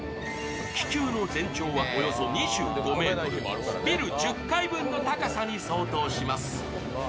気球の全長はおよそ２５ｍ、ビル１０階分の高さに相当します。